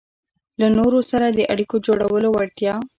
-له نورو سره د اړیکو جوړولو وړتیا